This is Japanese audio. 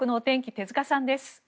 手塚さんです。